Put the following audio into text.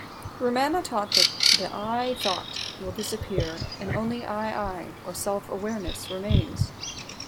Ramana taught that the 'I'-thought will disappear and only "I-I" or Self-awareness remains.